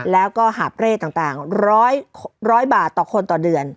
แล้วก็หาบเร่ต่าง๑๐๐บาทต่อคนต่อเดือน